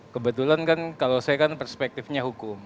kebetulan kan kalau saya kan perspektifnya hukum